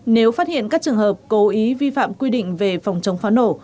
nếu phát hiện các trường hợp cố ý vi phạm quy định về phòng chống pháo nổ